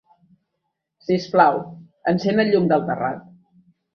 Sisplau, encén el llum del terrat.